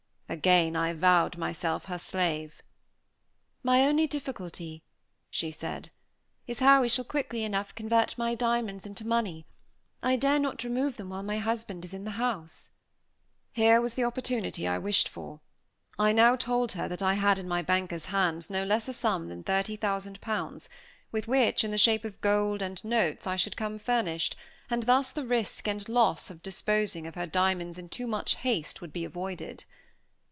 Again I vowed myself her slave. "My only difficulty," she said, "is how we shall quickly enough convert my diamonds into money; I dare not remove them while my husband is in the house." Here was the opportunity I wished for. I now told her that I had in my banker's hands no less a sum than thirty thousand pounds, with which, in the shape of gold and notes, I should come furnished, and thus the risk and loss of disposing of her diamonds in too much haste would be avoided.